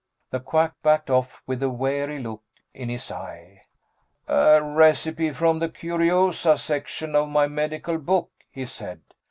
The Quack backed off with a wary look in his eye. "A recipe from the curiosa section of my medical book," he said.